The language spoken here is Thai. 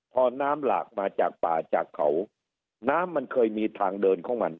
พอน้ำหลากมาจากป่าจากเขาน้ำมันเคยมีทางเดินของมัน